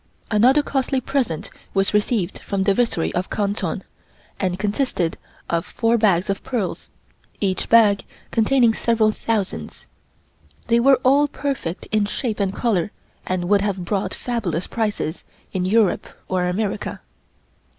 Another costly present was received from the Viceroy of Canton, and consisted of four bags of pearls, each bag containing several thousands. They were all perfect in shape and color, and would have brought fabulous prices in Europe or America.